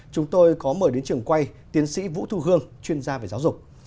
chúng tôi có mời đến trường quay tiến sĩ vũ thu hương chuyên gia về giáo dục